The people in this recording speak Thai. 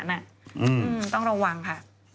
ต้องระวังค่ะ